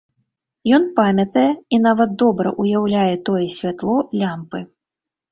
Ён памятае і нават добра ўяўляе тое святло лямпы.